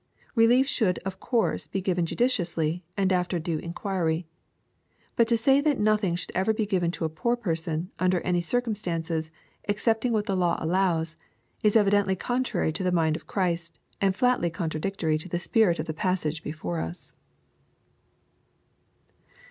Rehef should of course be given judiciously, and after due^ enquiry. But to say that nothing should ever be given to a poor person, under any circumstances, excepting what the law allows, is evidently contrary to the mind of Christ, and flatly contradictory to the spirit of the passage before us.